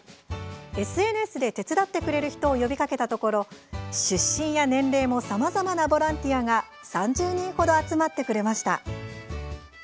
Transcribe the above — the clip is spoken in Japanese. ＳＮＳで手伝ってくれる人を呼びかけたところ、出身や年齢もさまざまなボランティアが３０人ほど集まってくれました。